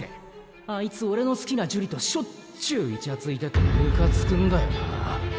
あいつおれの好きな樹里としょっちゅうイチャついててムカつくんだよな。